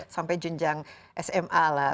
sampai junjang sma lah